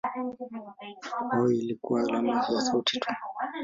Kwao ilikuwa alama ya sauti tu.